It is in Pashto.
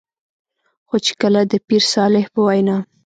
خو چې کله د پير صالح په وېنا